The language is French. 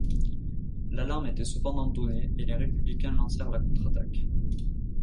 L'alarme était cependant donnée et les Républicains lancèrent la contre-attaque.